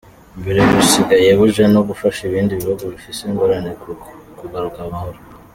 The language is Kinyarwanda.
Mbere busigaye buja no gufasha ibindi bihugu bifise ingorane kugarukana amahoro.